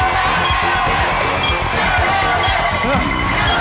แล้วเลือกแล้วเลือก